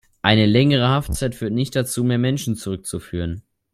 Eine längere Haftzeit führt nicht dazu, mehr Menschen zurückzuführen.